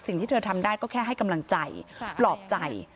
สิ่งที่เธอทำได้ก็แค่ให้กำลังใจปลอบใจ